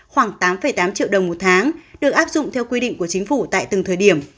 khoảng tám tám triệu đồng một tháng được áp dụng theo quy định của chính phủ tại từng thời điểm